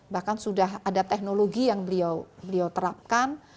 bahkan sudah ada teknologi yang beliau terapkan